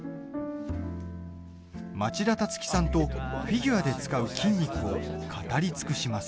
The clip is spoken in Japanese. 町田樹さんとフィギュアで使う筋肉を語り尽くします。